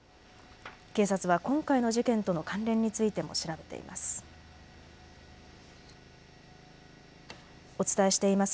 警察は今回の事件との関連についても調べています。